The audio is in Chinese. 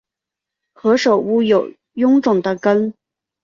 何首乌有臃肿的根